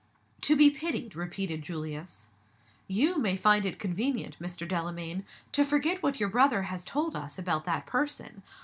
"To be pitied," repeated Julius. "You may find it convenient, Mr. Delamayn, to forget what your brother has told us about that person.